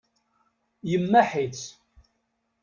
Yemmaḥ-itt.